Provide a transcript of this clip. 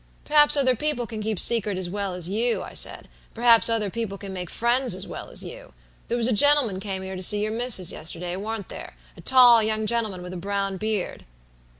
"'Perhaps other people can keep secrets as well as you,' I said, 'and perhaps other people can make friends as well as you. There was a gentleman came here to see your missus yesterday, warn't therea tall young gentleman with a brown beard?'